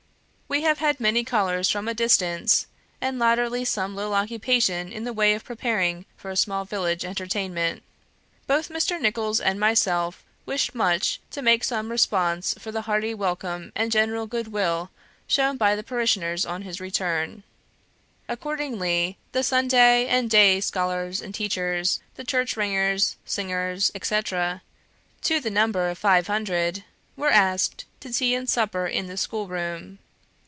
... We have had many callers from a distance, and latterly some little occupation in the way of preparing for a small village entertainment. Both Mr. Nicholls and myself wished much to make some response for the hearty welcome and general goodwill shown by the parishioners on his return; accordingly, the Sunday and day scholars and teachers, the church ringers, singers, etc., to the number of five hundred, were asked to tea and supper in the School room.